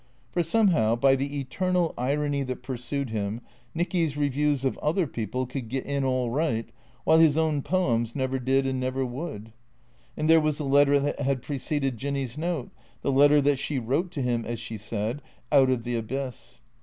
For, somehow, by the eter nal irony that pursued him, Nicky's reviews of other people could get in all right, while his own poems never did and never would. And there was the letter that had preceded Jinny's note, the letter that she wrote to him, as she said, " out of the abyss."